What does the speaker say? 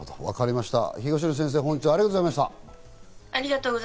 東野先生、本日はありがとうございました。